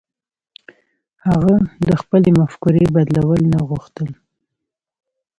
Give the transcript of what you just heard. هغه د خپلې مفکورې بدلول نه غوښتل.